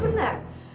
benar alda benar